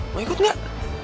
mau ikut gak